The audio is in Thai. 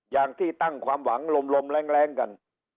อย่างที่ตั้งความหวังลมแรงกัน